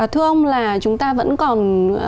thưa ông là chúng ta vẫn còn